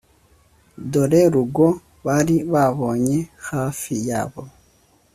dore rugo bari babonye hafi yabo.